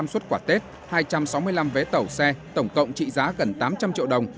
sáu trăm hai mươi năm suất quả tết hai trăm sáu mươi năm vé tẩu xe tổng cộng trị giá gần tám trăm linh triệu đồng